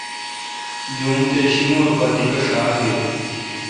جوم تے شیمور اے پا پتہ ڄھار بیل۔